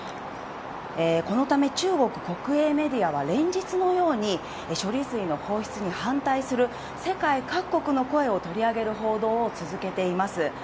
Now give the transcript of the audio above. このため、中国国営メディアは連日のように処理水の放出に反対する世界各国の声を取り上げる報道を続けています。